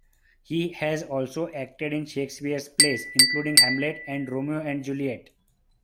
He has also acted in Shakespeare plays, including "Hamlet" and "Romeo and Juliet".